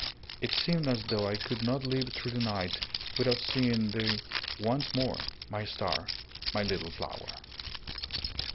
"It seemed as though I could not live through the night without seeing thee once more my star, my little flower."